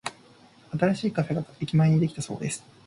新しいカフェが駅前にできたそうです。